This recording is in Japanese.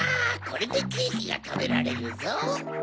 これでケーキがたべられるぞ！